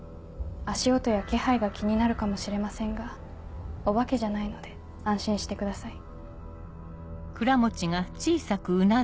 足音や気配が気になるかもしれませんがお化けじゃないので安心してください。